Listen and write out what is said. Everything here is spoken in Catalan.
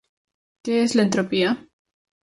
Què és l'entropia?